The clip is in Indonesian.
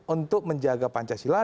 untuk menjaga pancasila